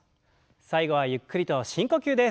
最後はゆっくりと深呼吸です。